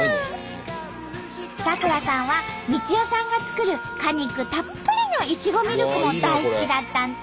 咲楽さんは美智代さんが作る果肉たっぷりのいちごミルクも大好きだったんと！